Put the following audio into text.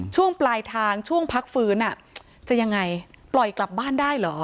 ช่วงปลายทางช่วงพักฟื้นจะยังไงปล่อยกลับบ้านได้เหรอ